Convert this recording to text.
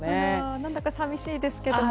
何だか寂しいですけども。